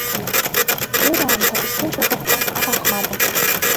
Кыраамҭа изҭынчраха дтәан аҭаҳмада.